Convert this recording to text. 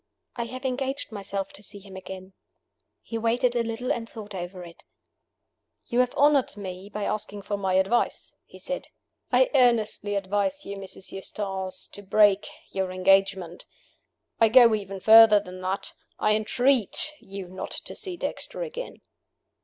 "I have engaged myself to see him again." He waited a little, and thought over it. "You have honored me by asking for my advice," he said. "I earnestly advise you, Mrs. Eustace, to break your engagement. I go even further than that I entreat you not to see Dexter again."